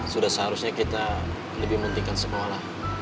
sudah seharusnya kita lebih menghentikan sekolah